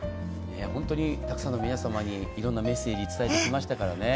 本当にたくさんの皆様にいろんなメッセージを伝えてきましたからね。